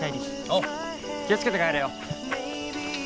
おう気を付けて帰れよ。